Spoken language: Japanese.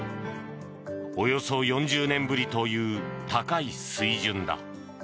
およそ４０年ぶりという高い水準だ。